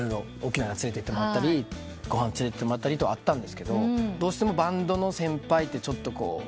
沖縄連れてってもらったりご飯連れてってもらったりとあったんですけどどうしてもバンドの先輩ってちょっとこう。